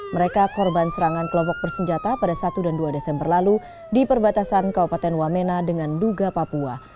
mereka korban serangan kelompok bersenjata pada satu dan dua desember lalu di perbatasan kabupaten wamena dengan duga papua